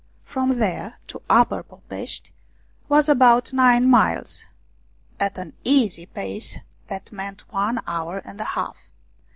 From there to Upper Popeshti was about nine miles ; at an easy pace, that meant one hour and a half.